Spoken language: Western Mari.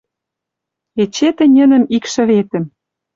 Эче тӹньӹнӹм икшӹветӹм